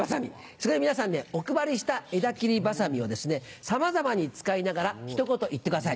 そこで皆さんお配りした枝切りばさみをさまざまに使いながらひと言言ってください。